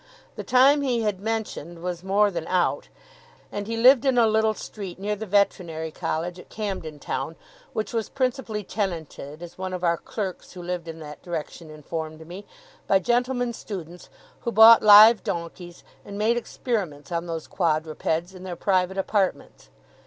The time he had mentioned was more than out, and he lived in a little street near the Veterinary College at Camden Town, which was principally tenanted, as one of our clerks who lived in that direction informed me, by gentlemen students, who bought live donkeys, and made experiments on those quadrupeds in their private apartments.